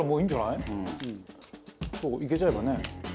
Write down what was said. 「いけちゃえばね」